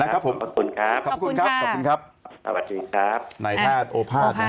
ครับผมขอบคุณครับสวัสดีครับนายแพทย์โอภาษณ์นะครับ